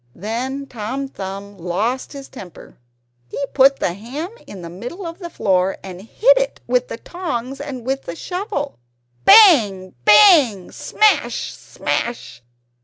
Then Tom Thumb lost his temper. He put the ham in the middle of the floor, and hit it with the tongs and with the shovel bang, bang, smash, smash!